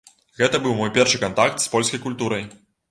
Гэта быў мой першы кантакт з полькай культурай.